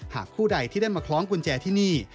หากคู่ใดที่ได้มาคล้องกุญแจที่นี่